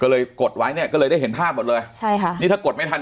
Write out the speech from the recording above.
ก็เลยกดไว้เนี่ยก็เลยได้เห็นภาพหมดเลยใช่ค่ะนี่ถ้ากดไม่ทัน